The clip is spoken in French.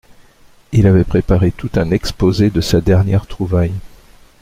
Il avait préparé tout un exposé de sa dernière trouvaille.